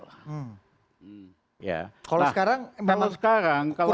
kalau sekarang kurang tertarik